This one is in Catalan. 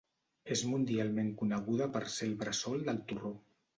És mundialment coneguda per ser el bressol del torró.